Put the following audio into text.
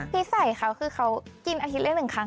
คลิสัยเขาคือเขากินอาทีเล่นหนึ่งครั้ง